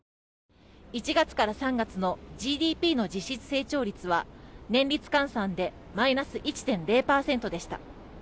１月から３月のＧＤＰの実質成長率は年率換算でマイナス１．０％でした。